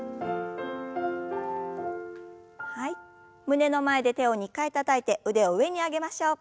胸の前で手を２回たたいて腕を上に上げましょう。